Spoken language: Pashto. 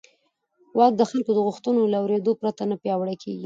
واک د خلکو د غوښتنو له اورېدو پرته نه پیاوړی کېږي.